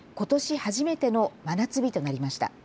初めての真夏日となりました。